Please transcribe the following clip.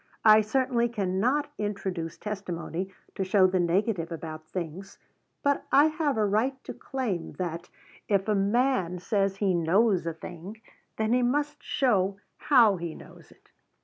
I certainly cannot introduce testimony to show the negative about things; but I have a right to claim that, if a man says he knows a thing, then he must show how he knows it.